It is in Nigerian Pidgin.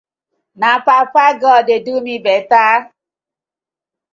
Na papa god dey do mi better.